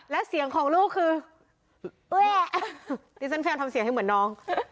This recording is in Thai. และเสียงของลูกคือดิฉันพยายามทำเสียงให้เหมือนน้อง